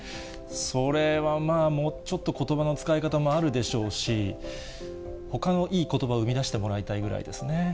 それはまあ、もうちょっとことばの使い方もあるでしょうし、ほかのいいことば、生み出してもらいたいぐらいですね。